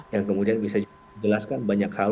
yang kemudian bisa dijelaskan banyak hal